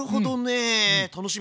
楽しみ！